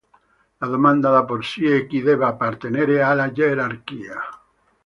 La domanda da porsi è chi debba appartenere alla gerarchia.